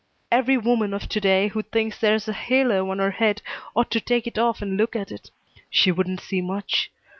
"Every woman of to day who thinks there's a halo on her head ought to take it off and look at it. She wouldn't see much.